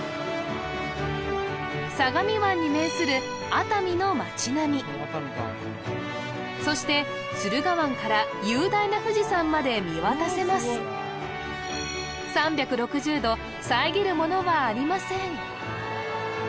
相模湾に面する熱海の町並みそして駿河湾から雄大な富士山まで見渡せます３６０度さえぎるものはありません